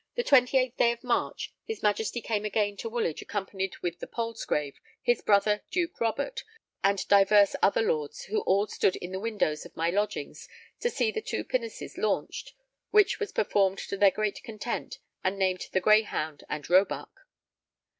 The 28th day of March, his Majesty came again to Woolwich, accompanied with the Palsgrave, his brother Duke Robert, and divers other lords, who all stood in the windows of my lodgings to see the two pinnaces launched, which was performed to their great content, and named the Greyhound and Roebuck.